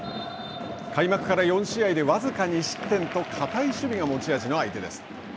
開幕から４試合で、僅か２失点と、堅い守備が持ち味の相手です。